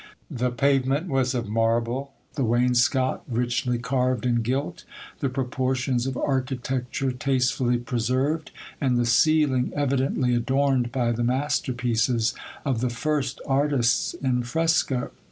The pavement was of marble, the wainscot richly carved and gilt, the proportions of architecture tastefully preserved, and the ceiling evidently adorned by the masterpieces of the first ar ists in fresco.